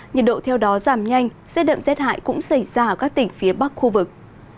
nhiệt độ theo đó giảm nhanh rét đậm rét hại cũng xảy ra ở các tỉnh phía bắc khu vực